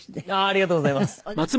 ありがとうございます。